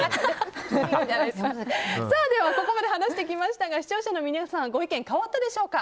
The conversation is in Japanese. ここまで話してきましたが視聴者の皆さんご意見変わったでしょうか。